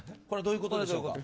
これはどういうことでしょう。